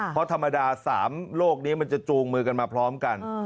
เพราะธรรมดา๓โลกนี้มันจะจูงมือกันมาพร้อมกัน